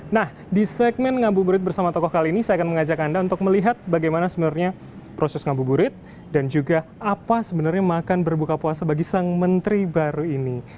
nah di segmen ngabuburit bersama tokoh kali ini saya akan mengajak anda untuk melihat bagaimana sebenarnya proses ngabuburit dan juga apa sebenarnya makan berbuka puasa bagi sang menteri baru ini